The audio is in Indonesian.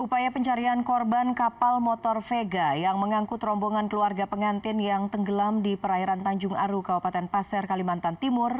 upaya pencarian korban kapal motor vega yang mengangkut rombongan keluarga pengantin yang tenggelam di perairan tanjung aru kaupaten pasir kalimantan timur